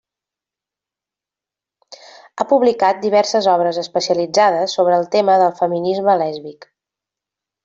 Ha publicat diverses obres especialitzades sobre el tema del feminisme lèsbic.